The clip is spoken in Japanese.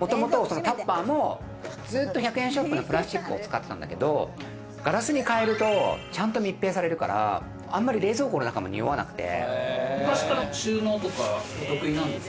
タッパーも、ずっと１００円ショップのプラスチックを使ってたんだけど、ガラスに変えるとちゃんと密閉されるからあんまり冷蔵庫の中もにおわなくて。